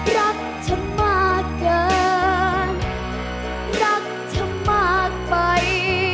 รักเธอมากเกินรักเธอมากไป